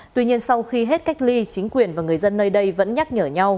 tuy nhiên sau khi hết cách ly chính quyền và người dân nơi đây vẫn nhắc nhở nhau